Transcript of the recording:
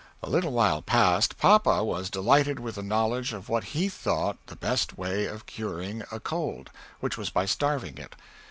A little while past, papa was delighted with the knowledge of what he thought the best way of curing a cold, which was by starving it.